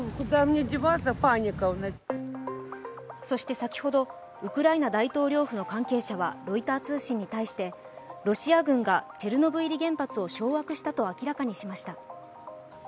そして先ほどウクライナ大統領府の関係者はロイター通信に対してロシア軍がチェルノブイリ原発を掌握したと明らかにしました。